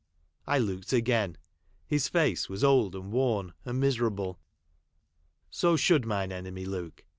I looked again. His face was old, and worn, and miserable. So should mine enemy look.